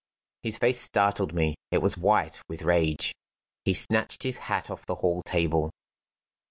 His face startled me; it was white with rage. He snatched his hat off the hall table.